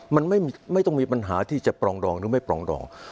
มันไม่ต้องมีปัญหาที่จะปรองดองหรือไม่ปรองดอง